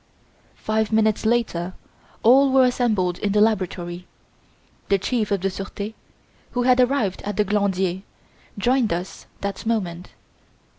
Five minutes later all were assembled in the laboratory. The Chief of the Surete, who had arrived at the Glandier, joined us at that moment.